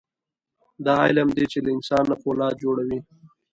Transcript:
دا علم دی چې له انسان نه فولاد جوړوي.